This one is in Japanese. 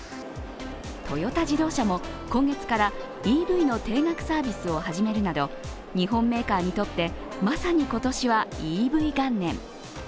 トヨタ自動車も今月からＥＶの定額サービスを始めるなど日本メーカーにとって、まさに今年はＥＶ元年。